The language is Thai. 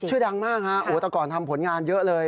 ชื่อดังมากฮะโอ้แต่ก่อนทำผลงานเยอะเลย